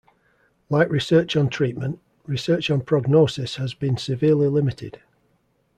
Like research on treatment, research on prognosis has been severely limited.